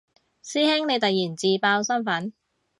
師兄你突然自爆身份